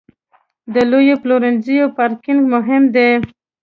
د لویو پلورنځیو پارکینګ مهم دی.